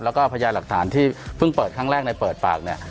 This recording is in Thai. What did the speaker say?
แล้วก็พยานหลักฐานที่เพิ่งเปิดครั้งแรกในเปิดปากเนี่ย